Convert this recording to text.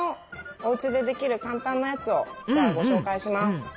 おうちでできる簡単なやつをじゃあご紹介します。